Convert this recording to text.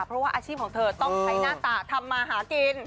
เพราะว่าอาชีพของเธอต้องใช้หน้าตาทำมาหากิน